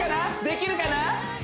できるかな？